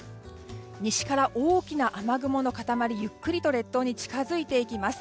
西から大きな雨雲の塊ゆっくりと列島に近づいていきます。